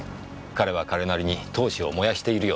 彼は彼なりに闘志を燃やしているようです。